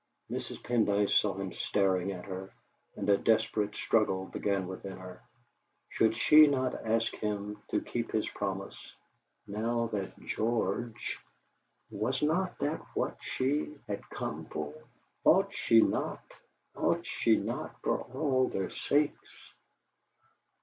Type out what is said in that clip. Mrs. Pendyce saw him staring at her, and a desperate struggle began within her. Should she not ask him to keep his promise, now that George ? Was not that what she had come for? Ought she not ought she not for all their sakes?